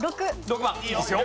いいですよ。